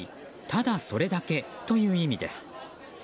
ただそれだけ」という意味です。